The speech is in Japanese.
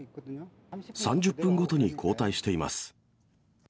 ３０分ごとに交代しています。